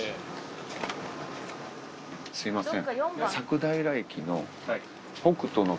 すみません。